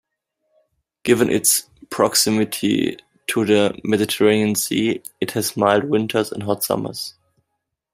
Given its proximity to the Mediterranean Sea, it has mild winters and hot summers.